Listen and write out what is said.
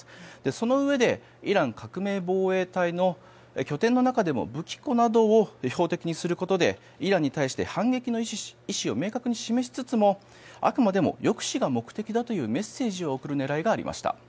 そのうえでイラン革命防衛隊の拠点の中でも武器庫などを標的にすることでイランに対して反撃の意思を明確に示しつつもあくまでも抑止が目的だというメッセージを送る狙いがありました。